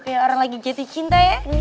kayak orang lagi jatuh cinta ya